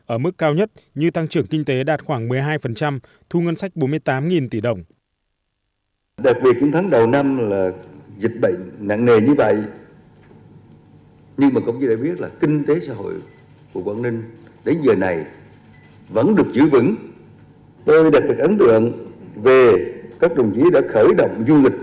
ở mức cao nhất như tăng trưởng kinh tế đạt khoảng một mươi hai thu ngân sách bốn mươi tám tỷ đồng